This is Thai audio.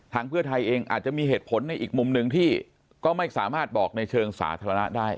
เพื่อไทยเองอาจจะมีเหตุผลในอีกมุมหนึ่งที่ก็ไม่สามารถบอกในเชิงสาธารณะได้